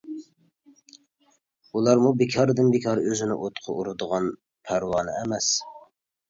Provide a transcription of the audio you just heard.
ئۇلارمۇ بىكاردىن-بىكار ئۆزىنى ئوتقا ئۇرىدىغان پەرۋانە ئەمەس.